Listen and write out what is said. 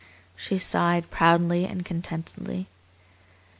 She sighed proudly and contentedly.